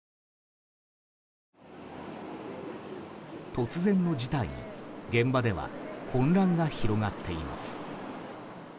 突然の事態に現場では混乱が広がっています。